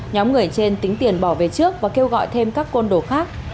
nhóm người trên tính tiền bỏ về trước và kêu gọi thêm các con đổ khác